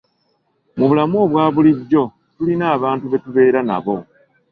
Mu bulamu obwa bulijjo, tulina abantu be tubeera nabo.